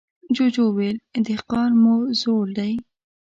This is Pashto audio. جوجو وويل: دهقان مو زوړ دی.